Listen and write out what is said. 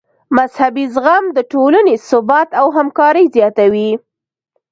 مذهبي زغم د ټولنې ثبات او همکاري زیاتوي.